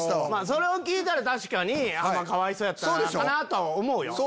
それを聞いたら確かにかわいそうやったかなとは思うよ。